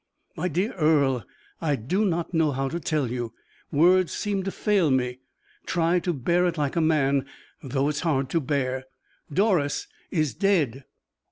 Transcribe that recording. "My dear Earle, I do not know how to tell you, words seem to fail me. Try to bear it like a man, though it is hard to bear Doris is dead!"